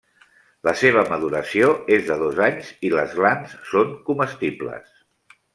La seva maduració és de dos anys i les glans són comestibles.